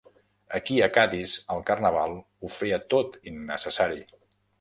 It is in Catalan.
Aquí a Cadis el carnaval ho feia tot innecessari.